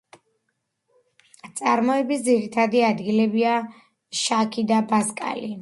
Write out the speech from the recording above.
წარმოების ძირითადი ადგილებია შაქი და ბასკალი.